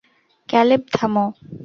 Caleb, থামো!